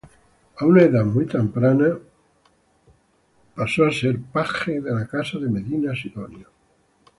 A temprana edad pasó a ser paje de la Casa de Medina Sidonia.